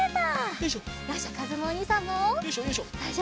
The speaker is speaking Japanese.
よいしょよいしょ。